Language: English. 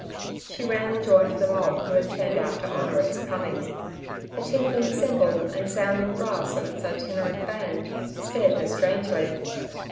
She ran and joined the mob who had turned out to honour its coming. The tinkling cymbal and sounding brass of its itinerant band stirred her strangely.